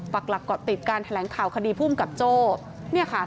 ฝากหลักติดการแถลงข่าวคดีผู้อุ้มกับโจ้เนี่ยค่ะ